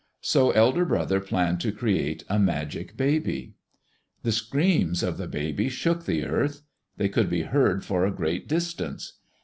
So Elder Brother planned to create a magic baby.... The screams of the baby shook the earth. They could be heard for a great distance.